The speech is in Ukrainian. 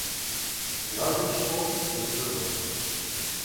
Зразу йшло все дуже добре.